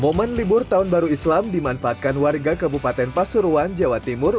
momen libur tahun baru islam dimanfaatkan warga kabupaten pasuruan jawa timur